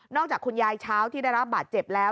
จากคุณยายเช้าที่ได้รับบาดเจ็บแล้ว